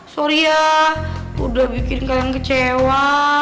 sorry ya udah bikin kalian kecewa